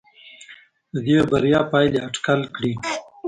د دې بریا پایلې اټکل کړي.